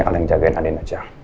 alang jagain andin aja